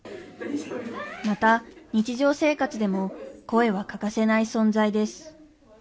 また日常生活でも声は欠かせない存在です。